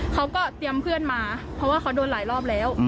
เขาก็เตรียมเพื่อนมาเพราะว่าเขาโดนหลายรอบแล้ว